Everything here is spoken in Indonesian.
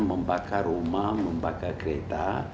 membakar rumah membakar kereta